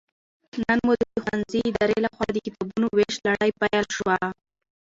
نن مو د ښوونځي ادارې لخوا د کتابونو ويش لړۍ پيل شوه